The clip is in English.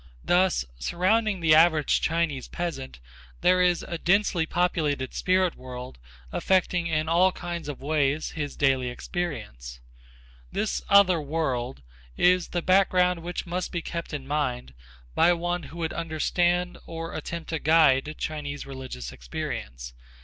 Thus surrounding the average Chinese peasant there is a densely populated spirit world affecting in all kinds of ways his, daily existence. This other world is the background which must be kept in mind by one who would understand or attempt to guide Chinese religious experience.